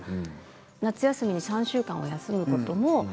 夏休みに３週間休むことも。